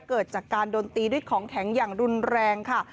เกิดจากการโดนตีด้วยของแข็งอย่างรุนแรงค่ะ